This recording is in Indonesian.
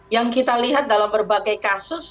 yang kita lihat dalam berbagai kasus